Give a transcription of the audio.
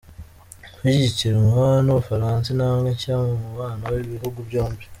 Gushyigikirwa n’u Bufaransa, intambwe nshya mu mubano w’ibihugu byombi.